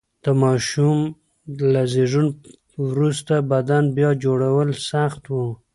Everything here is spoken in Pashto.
د ماشوم له زېږون وروسته بدن بیا جوړول سخت و.